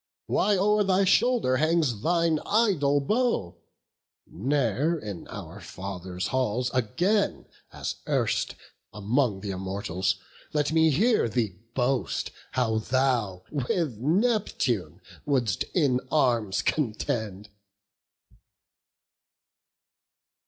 Why o'er thy shoulder hangs thine idle bow? Ne'er in our father's halls again, as erst Among th' Immortals, let me hear thee boast How thou with Neptune wouldst in arms contend."